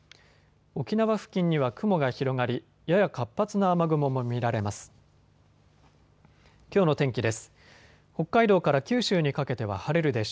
沖縄付近には雲が広がり、やや活発な雨雲も見られます。